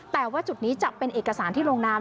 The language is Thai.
แต่ว่าจุดนี้จะเป็นเอกสารที่ลงนาม